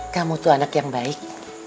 kamu tuh anak yang baik